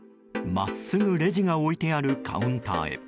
真っすぐレジが置いてあるカウンターへ。